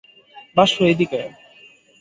বাসু, এইদিকে আয়।